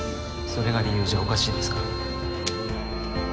それが理由じゃおかしいですか？